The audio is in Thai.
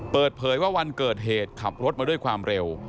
เปิดเผยว่าวันเกิดเหตุขับรถมาด้วยความเร็ว